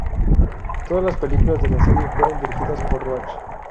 Todas las películas de la serie fueron dirigidas por Roach.